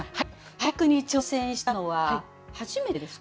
俳句に挑戦したのは初めてですか？